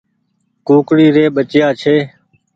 ڪوڪڙي ري ٻچيآ ڇي۔